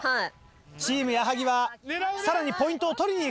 チーム矢作はさらにポイントを取りにいくと。